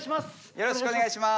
よろしくお願いします。